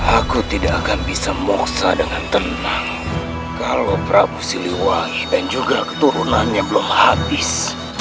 aku tidak akan bisa memaksa dengan tenang kalau prabu siliwangi dan juga keturunannya belum habis